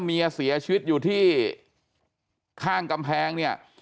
เมียเสียชีวิตอยู่ที่ข้างกำแพงเนี่ย